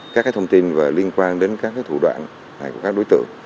các thông tin liên quan đến các thủ đoạn của các đối tượng